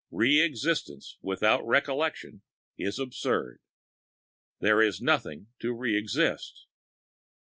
Re existence without recollection is absurd; there is nothing to re exist.